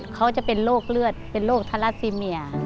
เขาจะเป็นโรคเลือดเป็นโรคทาราซิเมีย